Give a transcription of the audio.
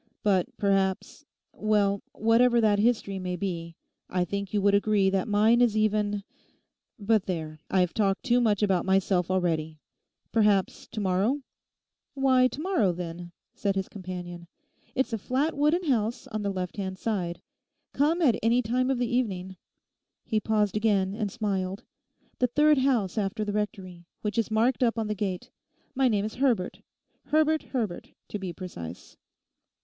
'But, perhaps—well, whatever that history may be, I think you would agree that mine is even—but, there, I've talked too much about myself already. Perhaps to morrow?' 'Why, to morrow, then,' said his companion. 'It's a flat wooden house, on the left hand side. Come at any time of the evening'; he paused again and smiled—'the third house after the Rectory, which is marked up on the gate. My name is Herbert—Herbert Herbert to be precise.